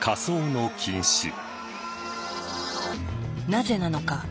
なぜなのか。